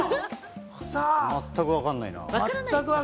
全くわかんないな。